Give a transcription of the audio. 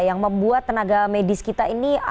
yang membuat tenaga medis kita ini